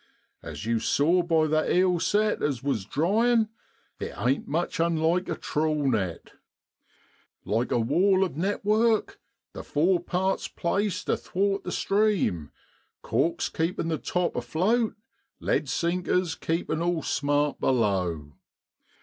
As you saw by that eel set as was dryin', it ain't much unlike a trawl net. Like a 104 OCTOBER IN BROADLAND. wall of network the fore part's placed athwart the stream, corks keepin' the top afloat, lead sinkers keepin' all smart below.